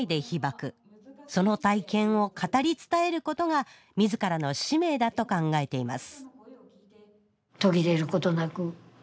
その体験を語り伝えることがみずからの使命だと考えています